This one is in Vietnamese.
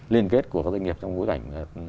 liên kết của các doanh nghiệp trong mối cảnh